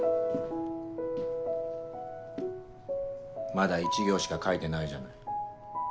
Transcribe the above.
まだ１行しか書いてないじゃない。